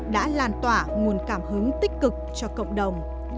đã làn tỏa nguồn cảm hứng tích cực cho cộng đồng